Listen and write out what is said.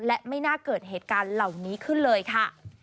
และไม่น่าเกิดเหตุการณ์เหล่านี้ขึ้นเลยค่ะ